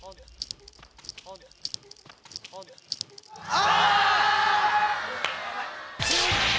あ！